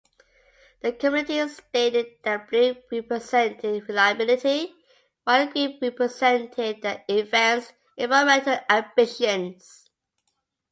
The committee stated that blue represented reliability while green represented the event's environmental ambitions.